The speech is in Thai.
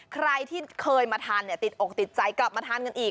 ใครที่เคยมาทานเนี่ยติดอกติดใจกลับมาทานกันอีก